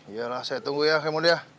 yalah saya tunggu ya kemudian